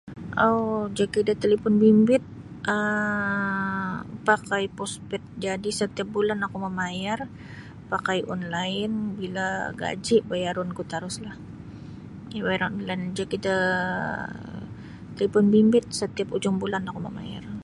um joki' da talipon bimbit um pakai postpaid jadi setiap bulan oku mamayar pakai online bila gaji bayarunku teruslah bayaran bulan joki' da talipon bimbit setiap ujung bulan oku mamayar.